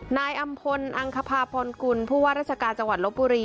นายอำพลอังคภาพรกุลผู้ว่าราชการจังหวัดลบบุรี